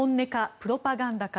プロパガンダか？